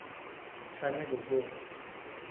تن بزرگ